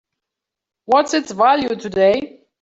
What's its value today?